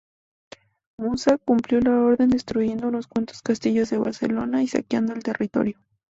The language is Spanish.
Musa cumplió la orden destruyendo unos cuantos castillos de Barcelona y saqueando el territorio.